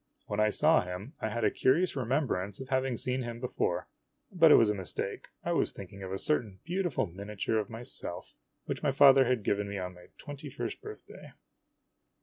When I saw him I had a curious remembrance of having seen him before. But it was a mistake. I was thinking of a certain beautiful miniature of myself, which my father had given me on my twenty first birthday.